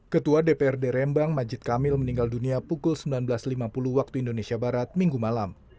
ketua dprd rembang majid kamil meninggal dunia pukul sembilan belas lima puluh waktu indonesia barat minggu malam